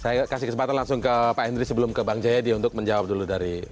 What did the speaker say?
saya kasih kesempatan langsung ke pak henry sebelum ke bang jayadi untuk menjawab dulu dari